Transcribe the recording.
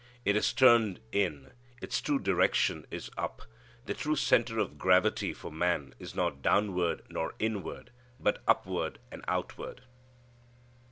It is turned in. Its true direction is up. The true centre of gravity for man is not downward, nor inward, but upward and outward.